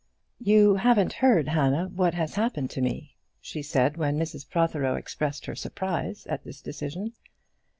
"You haven't heard, Hannah, what has happened to me," she said, when Mrs Protheroe expressed her surprise at this decision.